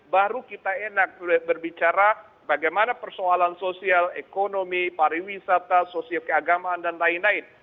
baru kita enak berbicara bagaimana persoalan sosial ekonomi pariwisata sosial keagamaan dan lain lain